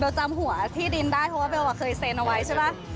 จำหัวที่ดินได้เพราะว่าเบลเคยเซ็นเอาไว้ใช่ป่ะ